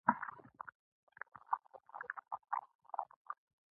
سهامي شرکت د پانګوال او کارګر اختلاف له منځه وړي